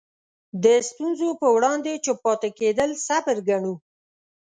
د ستونزو په وړاندې چوپ پاتې کېدل صبر ګڼو.